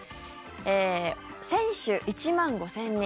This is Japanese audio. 選手１万５０００人